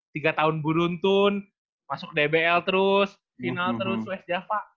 tiga tahun beruntun masuk dbl terus final terus west java